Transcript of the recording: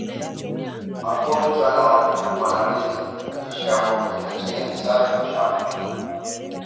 magonjwa na wadudu wanaweza kudhibitiwa kwa kuzingatia usafi wa shamba